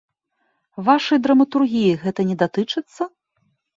Вашай драматургіі гэта не датычыцца?